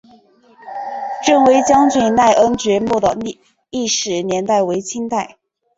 振威将军赖恩爵墓的历史年代为清代。